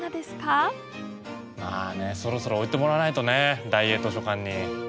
まあねえそろそろ置いてもらわないとね大英図書館に。